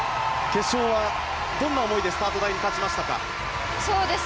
決勝はどんな思いでスタート台に立ちましたか。